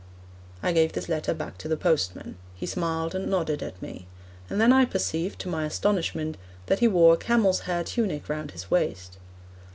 I gave this letter back to the postman. He smiled and nodded at me; and then I perceived, to my astonishment, that he wore a camel's hair tunic round his waist.